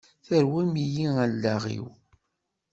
Terwim-iyi allaɣ-iw!